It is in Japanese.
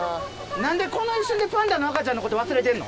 何でこの一瞬でパンダの赤ちゃんのこと忘れてんの？